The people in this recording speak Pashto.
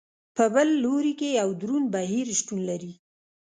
په بل لوري کې یو دروند بهیر شتون لري.